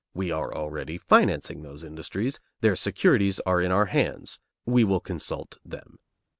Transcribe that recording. We are already financing those industries, their securities are in our hands; we will consult them."